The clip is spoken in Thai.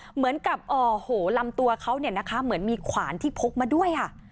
เหมือนกับโอ้โหลำตัวเขาเนี่ยนะคะเหมือนมีขวานที่พกมาด้วยค่ะ